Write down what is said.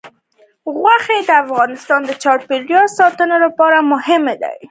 غوښې د افغانستان د چاپیریال ساتنې لپاره مهم دي.